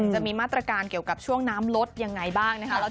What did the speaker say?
จะมีมาตรการเกี่ยวกับช่วงน้ำลดยังไงบ้างนะคะ